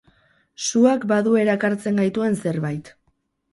Suak badu erakartzen gaituen zerbait.